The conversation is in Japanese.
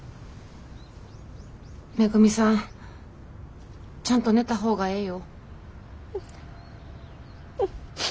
めぐみさんちゃんと寝た方がええよ。